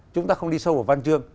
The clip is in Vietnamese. chúng ta không đi sâu vào văn chương